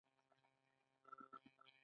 دا د انسانانو ترمنځ اړیکه په ښه توګه بیانوي.